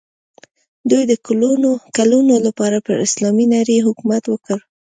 دوی د کلونو لپاره پر اسلامي نړۍ حکومت وکړ.